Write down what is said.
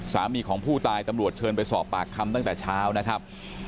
สามีของผู้ตายตำรวจเชิญไปสอบปากคำตั้งแต่เช้านะครับ